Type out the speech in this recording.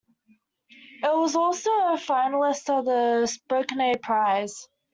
It was also a finalist for the Spokane Prize.